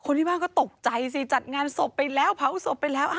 ที่บ้านก็ตกใจสิจัดงานศพไปแล้วเผาศพไปแล้ว